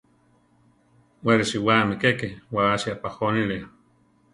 We risiwáme keke wási apajónilia.